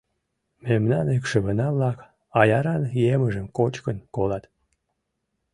Мемнан икшывына-влак аяран емыжым кочкын колат!..